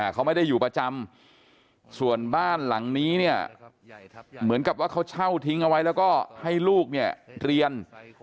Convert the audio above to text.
เขาไม่ได้อยู่ประจำส่วนบ้านหลังนี้เนี่ยเหมือนกับว่าเขาเช่าทิ้งเอาไว้แล้วก็ให้ลูกเนี่ยเรียน